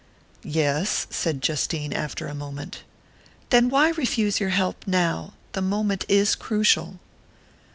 "Yes," said Justine, after a moment. "Then why refuse your help now? The moment is crucial."